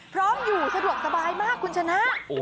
พร้อมอยู่สะดวกสบายมากคุณชนะ